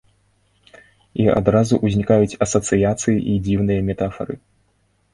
І адразу ўзнікаюць асацыяцыі і дзіўныя метафары.